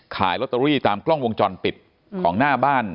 ขายลอตเตอรี่ตามกล้องวงจรปิดของหน้าบ้าน